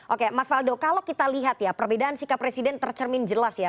oke mas faldo kalau kita lihat ya perbedaan sikap presiden tercermin jelas ya